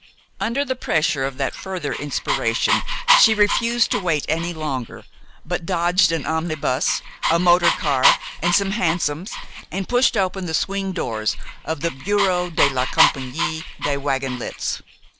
Under the pressure of that further inspiration she refused to wait any longer, but dodged an omnibus, a motor car, and some hansoms, and pushed open the swing doors of the Bureau de la Campagnie des Wagons Lits.